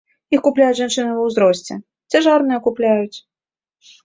Іх купляюць жанчыны ва ўзросце, цяжарныя купляюць.